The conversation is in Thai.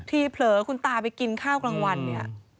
เผลอคุณตาไปกินข้าวกลางวันเนี่ย